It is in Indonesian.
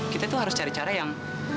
kita tuh harus cari cara yang